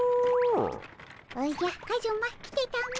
おじゃカズマ来てたも。